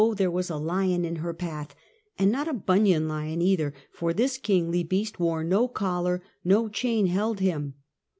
cliere was a lion in her path, and not a Bunyan lion either, for this kingly beast wore no collar, no chain held him.